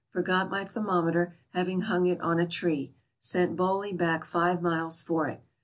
Forgot my thermometer, having hung it on a tree. Sent Boley back five miles for it.